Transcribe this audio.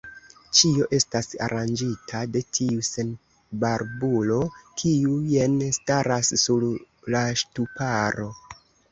Ĉio estas aranĝita de tiu senbarbulo, kiu jen staras sur la ŝtuparo.